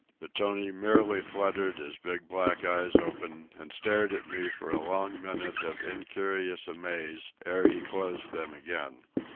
But Tony merely fluttered his big black eyes open and stared at me for a long minute of incurious amaze ere he closed them again.